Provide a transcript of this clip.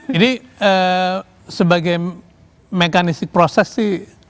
jadi sebagai mekanisik proses sih